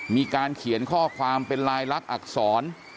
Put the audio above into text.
มีการเขียนข้อความเป็นลายลักษณอักษร